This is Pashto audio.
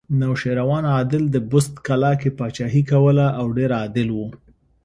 نوشیروان عادل د بست کلا کې پاچاهي کوله او ډېر عادل و